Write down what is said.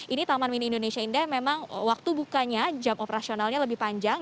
ini taman mini indonesia indah memang waktu bukanya jam operasionalnya lebih panjang